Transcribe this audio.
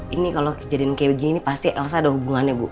ini kalau kejadian kayak begini pasti elsa ada hubungannya bu